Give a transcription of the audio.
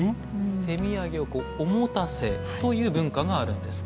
手土産をおもたせという文化があるんですか。